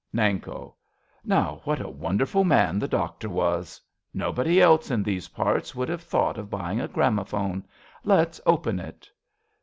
Nanko. Now, what a wonderful man the doctor was Nobody else, in these parts, would have thought Of buying a gramophone. Let's open it.